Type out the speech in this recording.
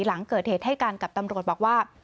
หลังเกิดเหตุให้การกับตำรวจบอกว่า